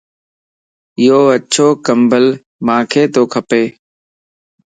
يو اڇو ڪمبل مانک تو کپا